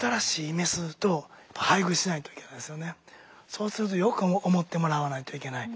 そうするとよく思ってもらわないといけない。